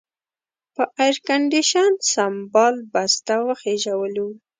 په ایرکنډېشن سمبال بس ته وخېژولو.